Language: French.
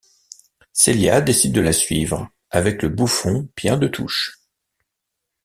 Celia décide de la suivre, avec le bouffon Pierre de Touche.